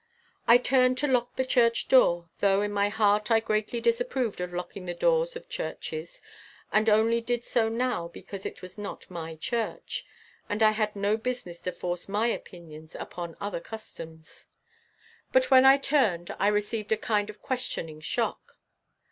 I turned to lock the church door, though in my heart I greatly disapproved of locking the doors of churches, and only did so now because it was not my church, and I had no business to force my opinions upon other customs. But when I turned I received a kind of questioning shock.